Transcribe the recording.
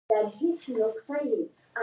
زما ملګری یو مخلص دوست ده